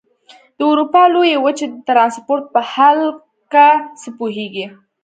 د اروپا لویې وچې د ترانسپورت په هلکه څه پوهېږئ؟